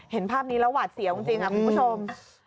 เห็นภาพนี้แล้วหวาดเสียวจริงคุณผู้ชม